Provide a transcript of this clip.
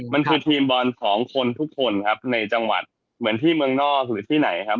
มันคือทีมบอลของคนทุกคนครับในจังหวัดเหมือนที่เมืองนอกหรือที่ไหนครับ